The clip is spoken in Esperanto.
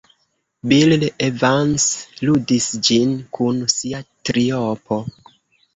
Bill Evans ludis ĝin kun sia triopo.